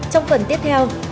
trong phần tiếp theo